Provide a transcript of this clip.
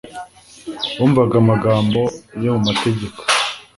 bumvaga amagambo yo mu mategeko